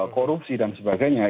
korupsi dan sebagainya